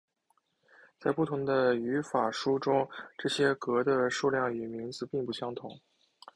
在不同的语法书中这些格的数量与名字并不相同。